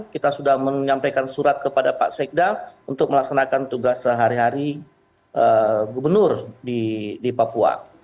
kita sudah menyampaikan surat kepada pak sekda untuk melaksanakan tugas sehari hari gubernur di papua